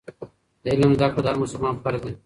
د علم زده کړه د هر مسلمان فرض دی.